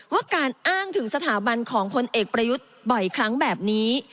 ว่าการอ้างถึงสถาบันของพลเอกประยุทธ์บ่อยครั้งแบบนี้